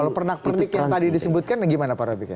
kalau pernak pernik yang tadi disebutkan gimana pak robikin